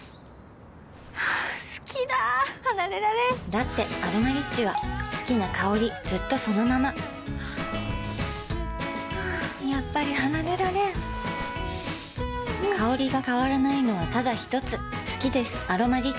好きだ離れられんだって「アロマリッチ」は好きな香りずっとそのままやっぱり離れられん香りが変わらないのはただひとつ好きです「アロマリッチ」